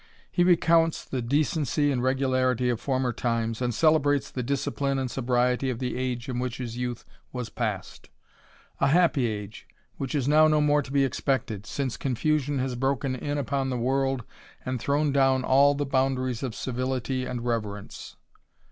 He recounts the decency and regularity of former times, and celebrates the discipline and sobriety of the age in which his youth was passed ; a happy age, which is now no more to be expected, since confusion has broken in upon the world and thrown down all the boundaries of civility and reverence.